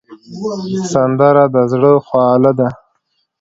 سندره د زړه خواله ده